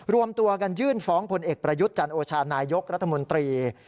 รวมตัวกันยื่นฟ้องผลเอกประยุทธ์จันโอชานายกรัฐมนตรี